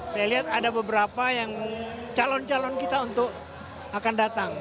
saya lihat ada beberapa yang calon calon kita untuk akan datang